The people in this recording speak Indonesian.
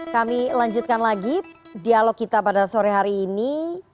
kami lanjutkan lagi dialog kita pada sore hari ini